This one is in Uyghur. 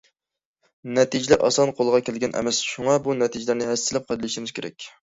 نەتىجىلەر ئاسان قولغا كەلگەن ئەمەس، شۇڭا، بۇ نەتىجىلەرنى ھەسسىلەپ قەدىرلىشىمىز كېرەك.